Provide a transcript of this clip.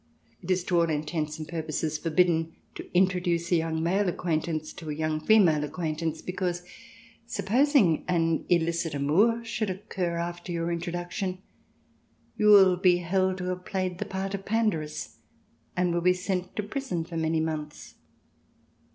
It is to all intents and purposes forbidden to introduce a young male acquaintance to a young female acquaintance ; be cause, supposing an illicit amour should occur after your introduction, you will be held to have played the part of Pandarus, and will be sent to prison for CH. v] PAX GERMANICA 55 many months.